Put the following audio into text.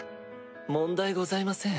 問題ございません。